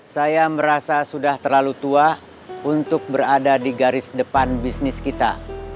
saya merasa sudah terlalu tua untuk berada di garis depan bisnis kita